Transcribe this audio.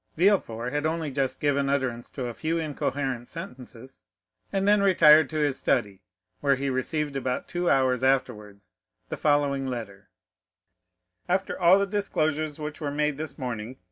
Villefort had only just given utterance to a few incoherent sentences, and then retired to his study, where he received about two hours afterwards the following letter: "After all the disclosures which were made this morning, M.